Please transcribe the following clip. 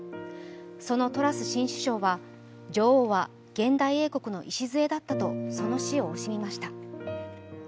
そのトラス新首相は、女王は現代英国の礎だったとその死を惜しみました。